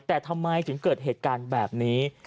แต่ทำไมถึงเกิดเหตุการณ์แบบนี้